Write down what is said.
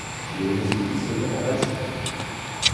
Les récidivistes vont en pâtir.